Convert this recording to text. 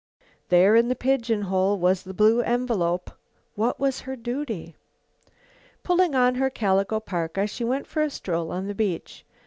There in the pigeon hole was the blue envelope. What was her duty? Pulling on her calico parka, she went for a stroll on the beach.